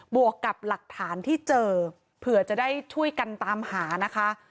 วกกับหลักฐานที่เจอเผื่อจะได้ช่วยกันตามหานะคะ